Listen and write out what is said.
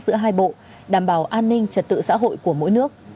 giữa hai bộ đảm bảo an ninh trật tự xã hội của mỗi nước